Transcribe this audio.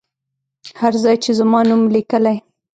هر ځای چې زما نوم لیکلی.